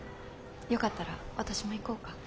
よかったら私も行こうか？